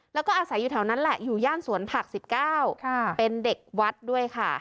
แล้วก็อาศัยอยู่แถวนั้นแหละอยู่ย่านสวนผัก๑๙เป็นเด็กวัดด้วยค่ะ